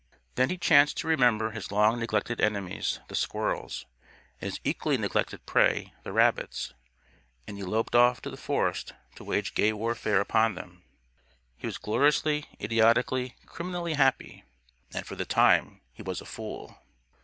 Then he chanced to remember his long neglected enemies, the squirrels, and his equally neglected prey, the rabbits. And he loped off to the forest to wage gay warfare upon them. He was gloriously, idiotically, criminally happy. And, for the time, he was a fool.